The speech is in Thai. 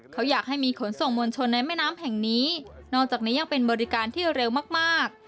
เขาอยากให้มีขนส่งมวลชนในแม่น้ำแห่งนี้นอกจากนี้ยังเป็นบริการที่เร็วมาก